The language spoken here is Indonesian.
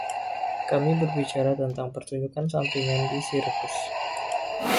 Kami berbicara tentang pertunjukan sampingan di sirkus.